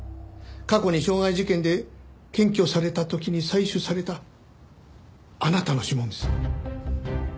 過去に傷害事件で検挙された時に採取されたあなたの指紋です。